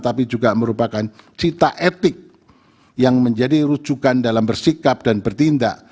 tapi juga merupakan cita etik yang menjadi rujukan dalam bersikap dan bertindak